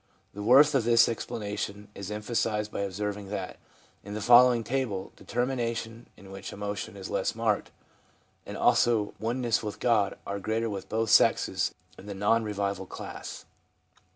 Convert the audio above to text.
The worth of this explanation is emphasised by observing that, in the following table, determination, in which emotion is less marked, and also oneness with God are greater with both sexes in the non revival class.